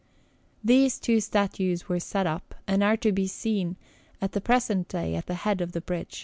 These two statues were set up, and are to be seen at the present day at the head of the bridge.